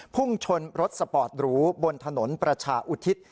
พุ่งชนรถสปอร์ตหรูบนถนนประชาอุทิศ